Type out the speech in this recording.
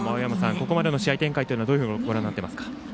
ここまでの試合展開はどうご覧になっていますか？